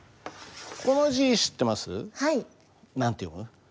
何て読む？